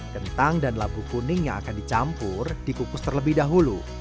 kentang dan labu kuning yang akan dicampur dikukus terlebih dahulu